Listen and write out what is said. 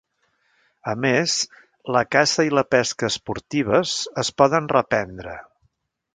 A més, la caça i la pesca esportives es poden reprendre.